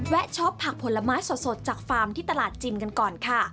ชอบผักผลไม้สดจากฟาร์มที่ตลาดจิมกันก่อนค่ะ